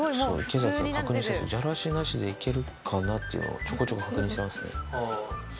池崎が確認してる、じゃらしなしでいけるかな？っていうのを、ちょくちょく確認してますね。